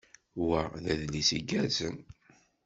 Wa d adlis igerrzen.